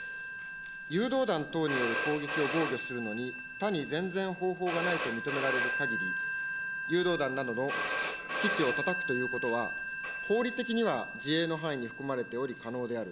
誘導弾等による攻撃を防御するのに、他に全然方法がないと認められるかぎり、誘導弾などの基地をたたくということは、法理的には自衛の範囲に含まれており可能である。